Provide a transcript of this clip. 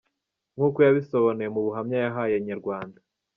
Nk’uko yabisobanuye mu buhamya yahaye Inyarwanda.